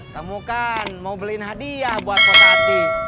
kamu kan mau beliin hadiah buat potati